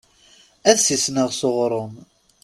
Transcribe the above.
Ad sisneɣ s uɣṛum.